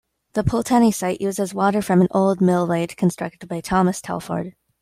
The Pulteney site uses water from an old mill lade, constructed by Thomas Telford.